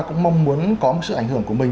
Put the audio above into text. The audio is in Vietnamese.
cũng mong muốn có một sự ảnh hưởng của mình